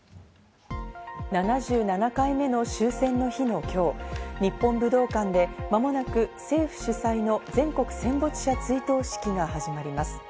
７７回目の終戦の日の今日、日本武道館で間もなく政府主催の全国戦没者追悼式が始まります。